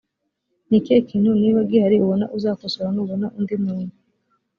ni ikihe kintu niba gihari ubona uzakosora nubona undi muntu?